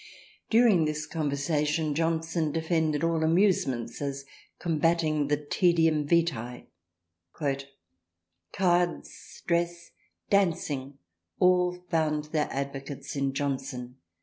During this conversation Johnson defended all amusements as combating the taedium vitae. —" Cards, dress, dancing all found their advocates in Johnson.